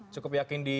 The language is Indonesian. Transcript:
cukup yakin di